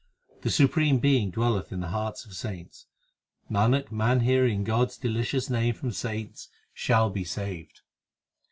The Supreme Being dwelleth in the hearts of saints ; Nanak, man hearing God s delicious name from saints shall be saved.